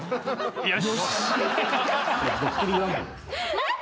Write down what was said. えっ？